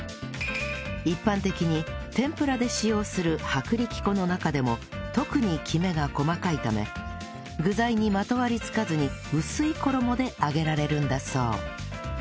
一般的に天ぷらで使用する薄力粉の中でも特にキメが細かいため具材にまとわりつかずに薄い衣で揚げられるんだそう